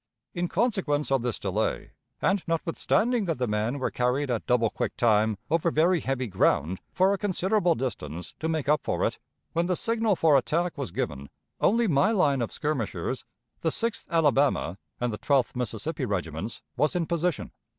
In consequence of this delay, and notwithstanding that the men were carried at double quick time over very heavy ground for a considerable distance to make up for it, when the signal for attack was given, only my line of skirmishers, the Sixth Alabama and the Twelfth Mississippi Regiments, was in position.